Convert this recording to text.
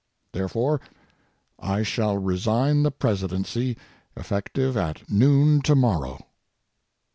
Therefore, I shall resign the Presidency effective at noon tomorrow.